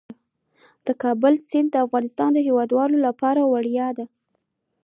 د کابل سیند د افغانستان د هیوادوالو لپاره ویاړ دی.